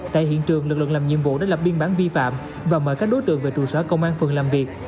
tại hiện trường lực lượng làm nhiệm vụ đã lập biên bản vi phạm và mời các đối tượng về trụ sở công an phường làm việc